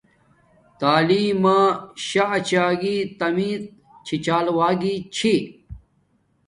تعیلم ما شاہ اچاگاہݵ تمز چھی چال و گی چھی